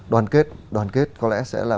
đoàn kết có lẽ sẽ là